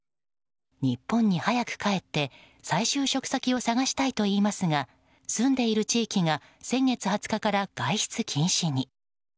日本に早く帰って再就職先を探したいといいますが住んでいる地域が先月２０日から外出禁止に。